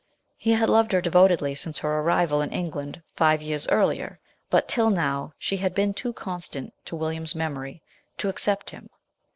He had loved her devotedly since her arrival in England five years earlier, but till now she had been too constant to Williams's memory to accept him.